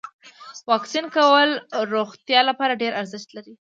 واکسین کول د روغتیا لپاره ډیر ارزښت لري.